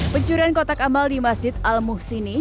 pencurian kotak amal di masjid al muhsini